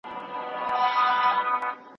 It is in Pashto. زه هیڅکله په کار کي غفلت نه کوم.